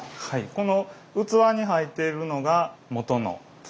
この器に入っているのがもとの土。